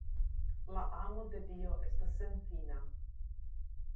La amo de Dio estas senfina.